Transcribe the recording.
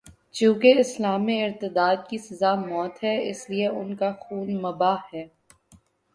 چونکہ اسلام میں ارتداد کی سزا موت ہے، اس لیے ان کا خون مباح ہے۔